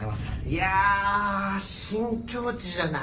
いや新境地じゃない？